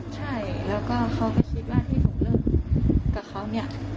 ใช่แล้วก็เขาก็คิดว่าที่ผมเลิกกับเขาเนี่ย